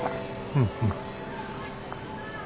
うんうん。